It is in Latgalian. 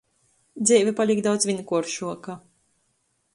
Dzeive palīk daudz vīnkuoršuoka.